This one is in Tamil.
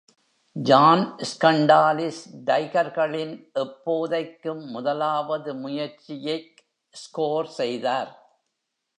ஜான் ஸ்கண்டாலிஸ் டைகர்களின் எப்போதைக்கும் முதலாவது முயற்சியைக் ஸ்கோர் செய்தார்.